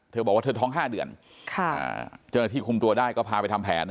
เธอบอกว่าเธอท้องห้าเดือนค่ะอ่าจริงที่คุมตัวได้ก็พาไปทำแผนนะฮะ